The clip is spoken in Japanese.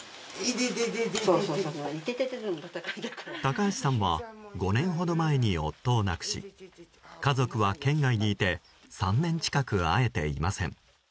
高橋さんは５年ほど前に夫を亡くし家族は県外にいて３年近く会えていません。